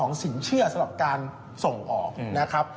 ของสินเชื่อเสนอสำหรับการส่งออก